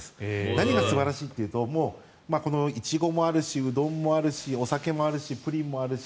何が素晴らしいというとイチゴもあるし、うどんもあるしお酒もあるしプリンもあるし